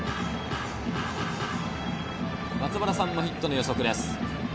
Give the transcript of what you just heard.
松原さんもヒットの予測です。